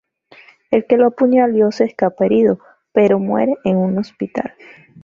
El que lo apuñaló se escapa herido, pero muere en un hospital.